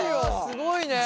すごいね。